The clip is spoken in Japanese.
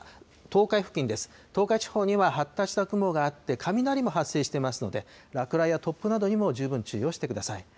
東海地方には発達した雲があって、雷も発生してますので、落雷や突風などにも十分注意をしてください。